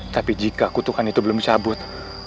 tapi jika kutukan itu belum dicabut